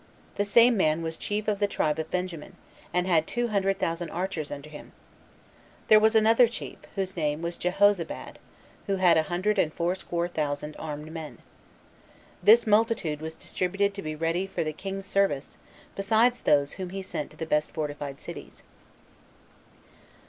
The same man was chief of the tribe of Benjamin, and had two hundred thousand archers under him. There was another chief, whose name was Jehozabad, who had a hundred and fourscore thousand armed men. This multitude was distributed to be ready for the king's service, besides those whom he sent to the best fortified cities.